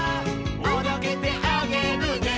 「おどけてあげるね」